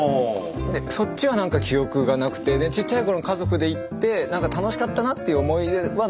そっちは何か記憶がなくてちっちゃいころ家族で行って何か楽しかったなっていう思い出は残ってて。